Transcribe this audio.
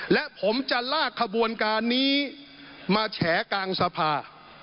และผมจะลากขบวนการนี้มาแฉกลางสภา